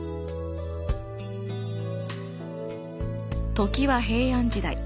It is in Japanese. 時は平安時代。